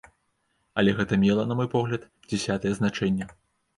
Але гэта мела, на мой погляд, дзясятае значэнне.